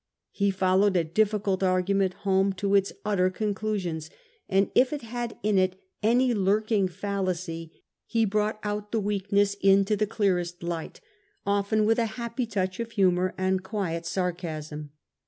He followed a difficult argu ment home to its utter conclusions ; and if it had in it any lurking fallacy he brought out the weakness into the clearest light, often with a happy touch of humour and quiet sarcasm.